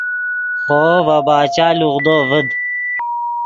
خوو ڤے باچا لوغدو ڤد